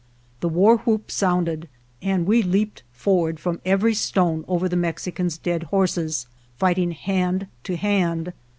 The war whoop sounded and we leaped forward from every stone over the Mexicans' dead horses, fighting hand to hand.